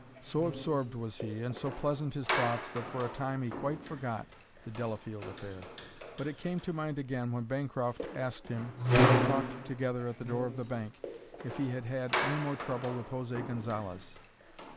So absorbed was he and so pleasant his thoughts that for a time he quite forgot the Delafield affair. But it came to mind again when Bancroft asked him, as they talked together at the door of the bank, if he had had any more trouble with José Gonzalez.